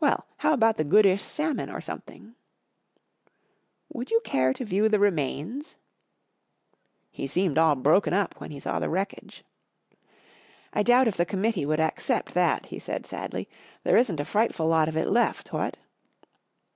Well, how about the goodish salmon or something ?"" Would you care to view' the remains ?" He seemed all broken up when he saw the wreckage. " I doubt if the committee would accept that," he said, sadly. 44 There isn't a fright¬ ful lot of it left, what